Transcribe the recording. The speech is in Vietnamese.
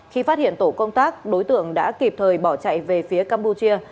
khi phát hiện tổ công tác đối tượng đã kịp thời bỏ chạy về phía campuchia